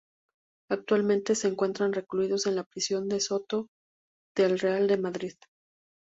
Actualmente se encuentran recluidos en la prisión de Soto del Real de Madrid.